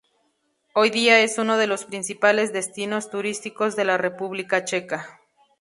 Hoy día es uno de los principales destinos turísticos de la República Checa.